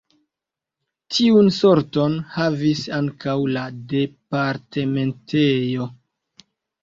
Tiun sorton havis ankaŭ la departementejo.